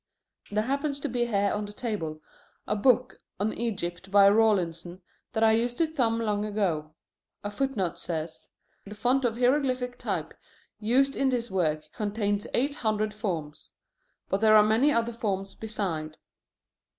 There happens to be here on the table a book on Egypt by Rawlinson that I used to thumb long ago. A footnote says: "The font of hieroglyphic type used in this work contains eight hundred forms. But there are many other forms beside."